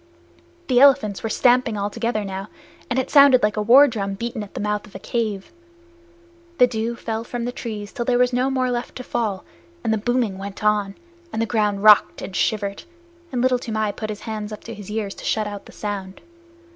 The elephants were stamping all together now, and it sounded like a war drum beaten at the mouth of a cave. The dew fell from the trees till there was no more left to fall, and the booming went on, and the ground rocked and shivered, and Little Toomai put his hands up to his ears to shut out the sound.